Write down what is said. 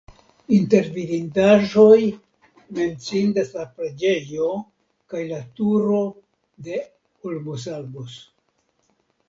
Inter vidindaĵoj menciindas la preĝejo kaj la turo de Olmosalbos.